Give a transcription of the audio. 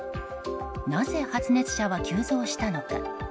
なぜ発熱者は急増したのか。